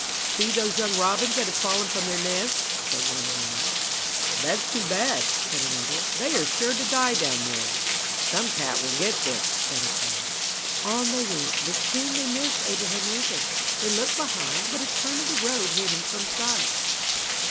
"See those young robins that have fallen from their nest," said one man. "That's too bad," said another. "They are sure to die down there." "Some cat will get them," said a third. On they went, but soon they missed Abraham Lincoln. They looked behind, but a turn of the road hid him from sight.